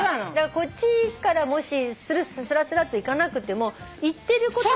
こっちからもしスラスラっといかなくても言ってることは。